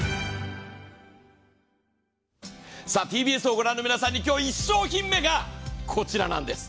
ＴＢＳを御覧の皆さんに今日、１商品目がこちらなんです。